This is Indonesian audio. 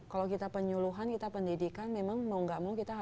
kalau kita penyuluhan kita pendidikan memang mau gak mau kita harus